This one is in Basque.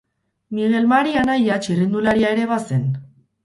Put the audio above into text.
Migel Mari anaia txirrindularia ere bazen.